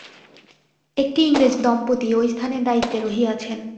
একটি ইংরেজ-দম্পতি ঐ স্থানের দায়িত্বে রহিয়াছেন।